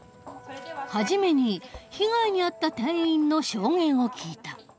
初めに被害に遭った店員の証言を聞いた。